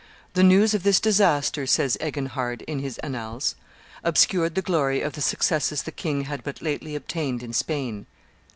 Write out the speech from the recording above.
"The news of this disaster," says Eginhard, in his Annales, "obscured the glory of the successes the king had but lately obtained in Spain."